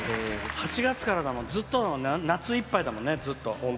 ８月からなの、ずっと夏いっぱいだもんね、ずっと。